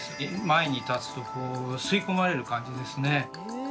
前に立つとこう吸い込まれる感じですね。